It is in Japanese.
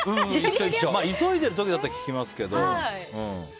急いでいる時だったら聞きますけど。